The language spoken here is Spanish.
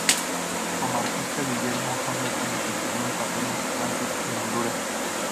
Como artista, Guillermo Anderson desempeñó un papel importante en Honduras.